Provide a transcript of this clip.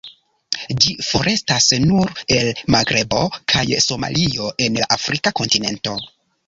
Ĝi forestas nur el Magrebo kaj Somalio en la afrika kontinento.